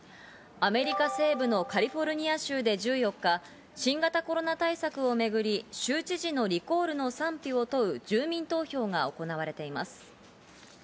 アメリカ西部のカリフォルニア州で１４日、新型コロナ対策をめぐり、州知事のリコールの賛否を問う住民投票が行われています。